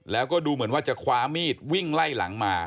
แล้วก็ดูเหมือนว่าจะคว้ามีดวิ่งไล่หลังมา